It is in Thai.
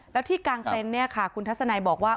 แล้วที่กลางเต็นต์เนี่ยค่ะคุณทัศนัยบอกว่า